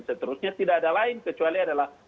seterusnya tidak ada lain kecuali adalah